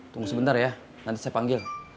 ya yang keterallynya saya udah gunain